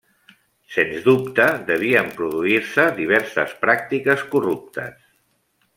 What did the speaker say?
Sens dubte devien produir-se diverses pràctiques corruptes.